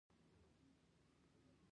د هلمند سیند څومره اوږدوالی لري؟